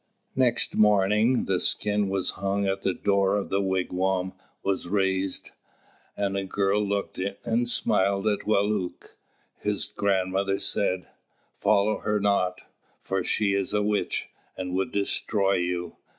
Next morning, the skin which hung at the door of the wigwam was raised, and a girl looked in and smiled at Wālūt. His grandmother said, "Follow her not, for she is a witch, and would destroy you."